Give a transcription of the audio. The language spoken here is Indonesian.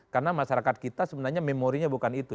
karena masyarakat kita sebenarnya memorinya bukan itu